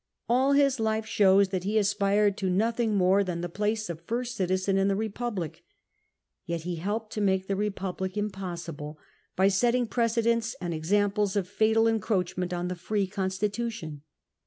All his life shows that he aspired to nothing more than the place of first citizen in the Eepublic. Yet he helped to make the Eepublic impossible, by setting precedents and examples of fatal encroachment on the free constitu tion.